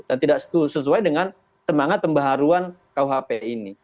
dan tidak sesuai dengan semangat pembaharuan khp ini